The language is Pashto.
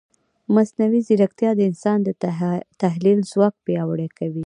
مصنوعي ځیرکتیا د انسان د تحلیل ځواک پیاوړی کوي.